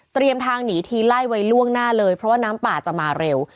ทางหนีทีไล่ไว้ล่วงหน้าเลยเพราะว่าน้ำป่าจะมาเร็ว